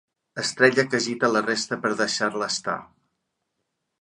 Estrella que agita la resta per deixar-la estar.